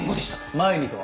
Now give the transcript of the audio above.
前にとは？